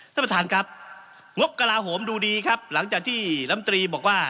ท่านประธานครับงบกระลาโหมดูดีครับหลังจากที่ลำตรีบอกว่า